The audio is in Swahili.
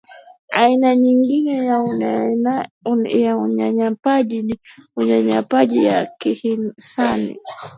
aina nyingine ya unyanyapaaji ni unyanyapaaji wa kihisani